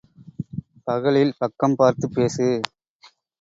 பகலில் பக்கம் பார்த்துப் பேசு.